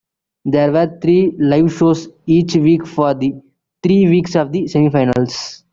There were three live shows each week for the three weeks of the semifinals.